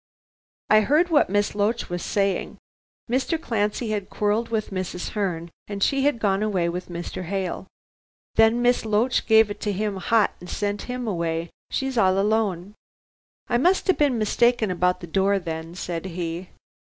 I heard what Miss Loach was saying. Mr. Clancy had quarrelled with Mrs. Herne and she had gone away with Mr. Hale. Then Miss Loach gave it to him hot and sent him away. She's all alone." "I must have been mistaken about the door then," said he.